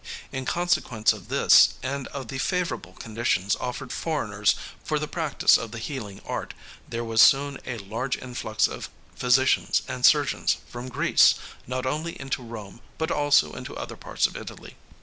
In consequence of this and of the favorable conditions offered foreigners for the practice of the healing art, there was soon a large influx of physicians and surgeons from Greece, not only into Rome but also into other parts of Italy.